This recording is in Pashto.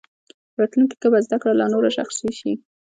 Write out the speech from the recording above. په راتلونکي کې به زده کړه لا نوره شخصي شي.